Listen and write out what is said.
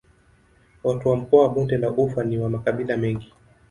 Watu wa mkoa wa Bonde la Ufa ni wa makabila mengi.